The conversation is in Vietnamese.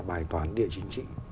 bài toán địa chính trị